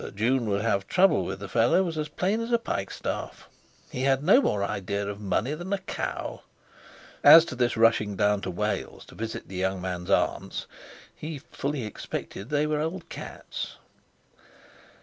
That June would have trouble with the fellow was as plain as a pikestaff; he had no more idea of money than a cow. As to this rushing down to Wales to visit the young man's aunts, he fully expected they were old cats.